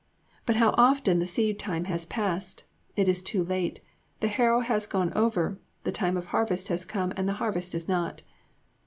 But how often the seed time has passed, it is too late, the harrow has gone over, the time of harvest has come and the harvest is not....